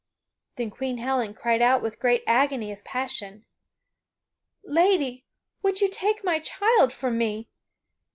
Then Queen Helen cried out with great agony of passion: "Lady, would you take my child from me?